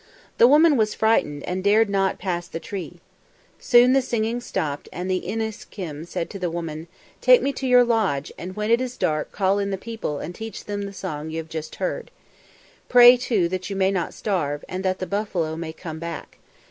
The woman was frightened and dared not pass the tree. Soon the singing stopped and the I nis´kim said to the woman, "Take me to your lodge, and when it is dark call in the people and teach them the song you have just heard. Pray, too, that you may not starve, and that the buffalo may come back.